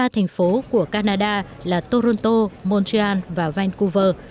ba thành phố của canada là toronto montreal và vancouver